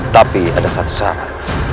tapi ada satu syarat